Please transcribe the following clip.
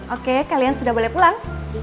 oke kalian sudah boleh pulang